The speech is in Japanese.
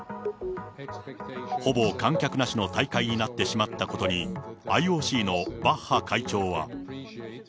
ほぼ観客なしの大会になってしまったことに、ＩＯＣのバッハ会長は。